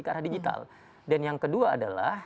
ke arah digital dan yang kedua adalah